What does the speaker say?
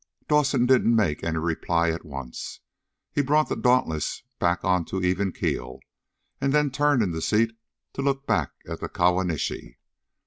Dawson didn't make any reply at once. He brought the Dauntless back onto even keel, and then turned in the seat to look back at the Kawanishi.